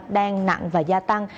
đang nặng và gia tăng